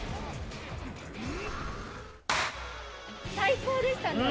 最高でしたね。